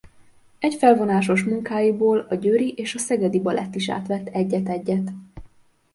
Egyfelvonásos munkáiból a Győri és a Szegedi Balett is átvett egyet-egyet.